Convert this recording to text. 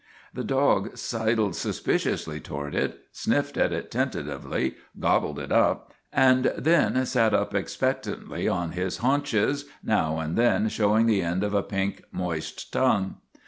The dog sidled suspiciously to ward it, sniffed at it tentatively, gobbled it up, and then sat up expectantly on his haunches, now and then showing the end of a pink, moist tongue.